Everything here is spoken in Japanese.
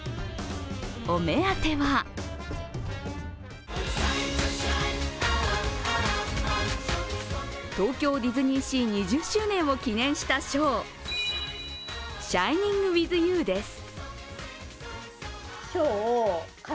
お目当ては東京ディズニーシー２０周年を記念したショーシャイニング・ウィズ・ユーです。